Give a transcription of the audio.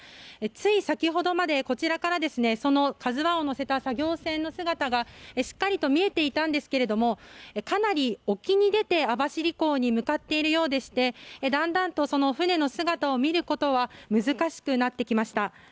つい先ほどまで、こちらからその「ＫＡＺＵ１」を載せた作業船の姿がしっかりと見えていたんですけどかなり沖に出て網走港に向かっているようでしてだんだんと船の姿を見ることは難しくなってきました。